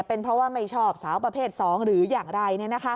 เป็นเพราะว่าไม่ชอบสาวประเภท๒หรืออย่างไร